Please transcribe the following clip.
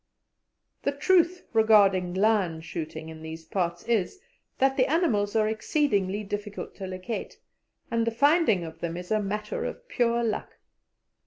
The truth regarding lion shooting in these parts is, that the animals are exceedingly difficult to locate, and the finding of them is a matter of pure luck.